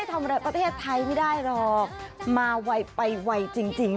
ทำอะไรประเทศไทยไม่ได้หรอกมาไวไปไวจริง